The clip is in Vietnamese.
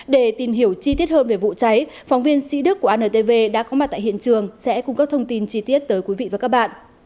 để tìm hiểu chi tiết hơn về vụ cháy phóng viên sĩ đức của antv đã có mặt tại hiện trường sẽ cung cấp thông tin chi tiết tới quý vị và các bạn